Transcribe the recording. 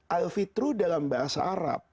alfitru dalam bahasa arab